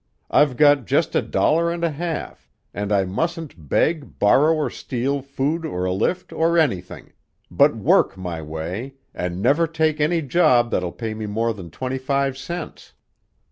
I've got just a dollar and a half, and I mustn't beg, borrow, or steal food or a lift or anything, but work my way, and never take any job that'll pay me more than twenty five cents.